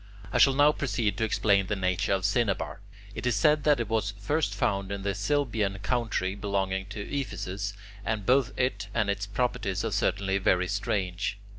I shall now proceed to explain the nature of cinnabar. It is said that it was first found in the Cilbian country belonging to Ephesus, and both it and its properties are certainly very strange.